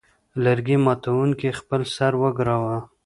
لرګي ماتوونکي خپل سر وګراوه.